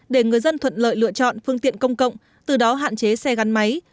để người dân thuận lợi lựa chọn phương tiện công cộng từ đó hạn chế xe gắn máy